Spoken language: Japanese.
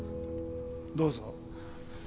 どうぞ。